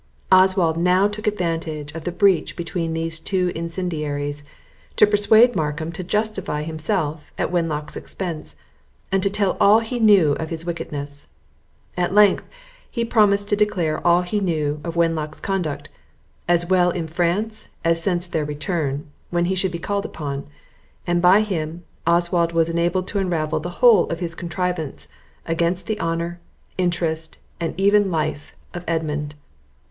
Oswald now took advantage of the breach between these two incendiaries, to persuade Markham to justify himself at Wenlock's expence, and to tell all he knew of his wickedness; at length, he promised to declare all he knew of Wenlock's conduct, as well in France as since their return, when he should be called upon; and, by him, Oswald was enabled to unravel the whole of his contrivances, against the honour, interest, and even life of Edmund.